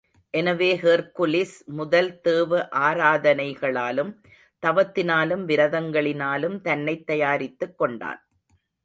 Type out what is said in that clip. எனவே, ஹெர்க்குலிஸ் முதலில் தேவ ஆராதனைகளாலும், தவத்தினாலும், விரதங்களினாலும் தன்னைத் தயாரித்துக்கொண்டான்.